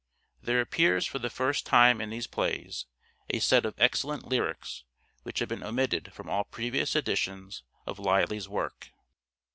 There appears for the first time in these plays a set of excellent lyrics which had been omitted from all previous editions of Lyly's work.